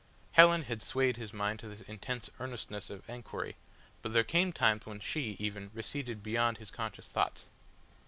Helen had swayed his mind to this intense earnestness of enquiry, but there came times when she, even, receded beyond his conscious thoughts.